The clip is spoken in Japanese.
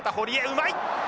うまい！